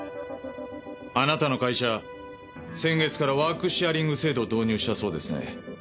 あなたの会社先月からワークシェアリング制度を導入したそうですね。